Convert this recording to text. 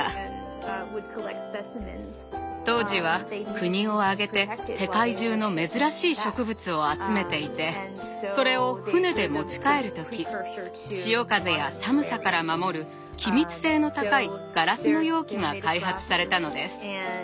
当時は国を挙げて世界中の珍しい植物を集めていてそれを船で持ち帰る時潮風や寒さから守る機密性の高いガラスの容器が開発されたのです。